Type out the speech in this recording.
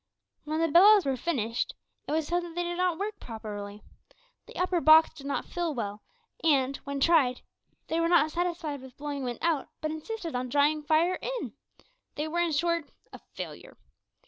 When the bellows were finished, it was found that they did not work properly. The upper box did not fill well, and, when tried, they were not satisfied with blowing wind out, but insisted on drawing fire in! They were, in short, a failure!